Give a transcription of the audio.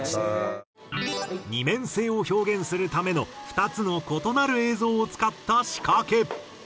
２面性を表現するための２つの異なる映像を使った仕掛け。